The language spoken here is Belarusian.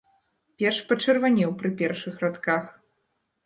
Перш пачырванеў пры першых радках.